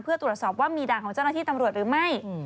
เพื่อตรวจสอบว่ามีด่านของเจ้าหน้าที่ตำรวจหรือไม่